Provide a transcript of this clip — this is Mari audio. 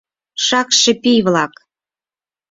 — Шакше пий-влак!